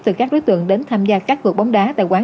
từ các đối tượng đến tham gia các cược bóng đá